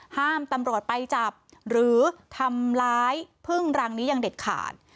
ห้ามตำรวจไปจับหรือทำร้ายพึ่งรังนี้อย่างเด็ดขาด